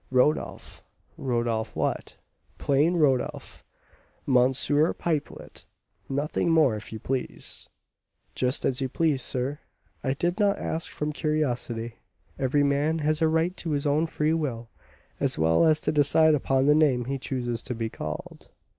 "Rodolph." "Rodolph what?" "Plain Rodolph, M. Pipelet, nothing more, if you please." "Just as you please, sir. I did not ask from curiosity. Every man has a right to his own free will, as well as to decide upon the name he chooses to be called."